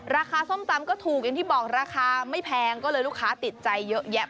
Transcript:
ส้มตำก็ถูกอย่างที่บอกราคาไม่แพงก็เลยลูกค้าติดใจเยอะแยะ